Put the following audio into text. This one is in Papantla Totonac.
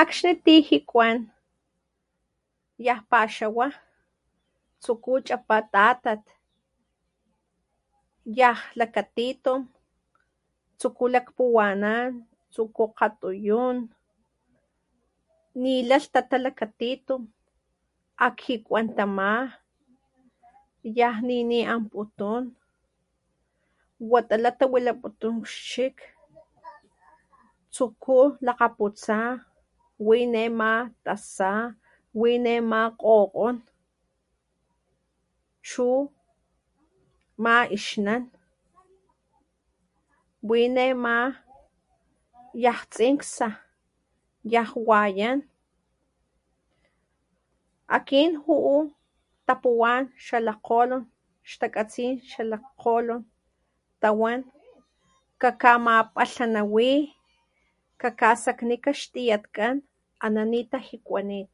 Akgxni ti jikuan ya paxawá, tsukú chipá tatat, yaj lakatitum tsuku lakpuwanan, tsukú katuyun, ni la lhtatá la lakatitum, akjikuantamá, ya niniamputun, watá latawilaputum xchik, tsukú lakaputsá wi ne ma tasá, wi ne ma kgokgón chu mayixnán, wi ne ma yaj tsinksa, ya wayán, akin juu tapuwán xtakatsi xalak kolon, tawán kakamapalanawi, kakasaknika ix tiyatkan, aná ni jikuanit,